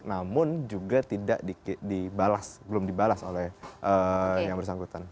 namun juga belum dibalas oleh yang bersangkutan